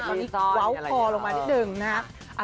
ตอนนี้เว้าคอลงมานิดนึงนะฮะ